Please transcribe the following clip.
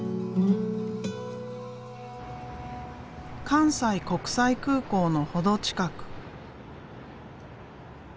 関西国際空港の程近く。